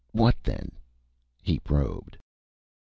What, then? He probed.